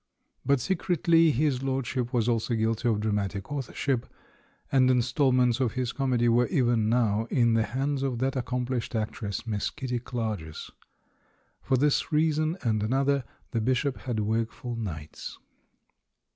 But secretly his lordship was also guilty of dramatic authorship, and in stalments of his comedy were even now in the hands of that accomphshed actress. Miss Kitty Clarges. For this reason, and another, the Bish op had wakeful nights.